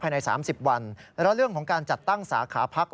ใน๓๐วันและเรื่องของการจัดตั้งสาขาพัก